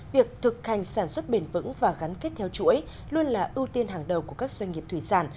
việc thực hành sản xuất bền vững và gắn kết theo chuỗi luôn là ưu tiên hàng đầu của các doanh nghiệp thủy sản